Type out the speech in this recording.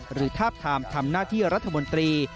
ทาบทามทำหน้าที่รัฐมนตรี